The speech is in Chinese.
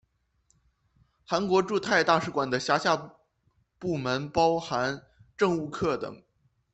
韩国驻泰大使馆的辖下部门包含政务课等。